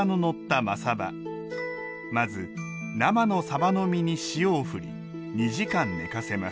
まず生のさばの身に塩をふり２時間寝かせます。